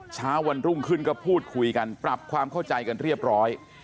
เช้าวันรุ่งขึ้นก็พูดคุยกันปรับความเข้าใจกันเรียบร้อย